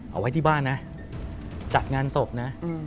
เอาไว้ที่บ้านนะจัดงานศพนะ